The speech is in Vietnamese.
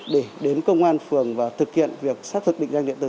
để đến công an phường và thực hiện việc xác thực định danh điện tử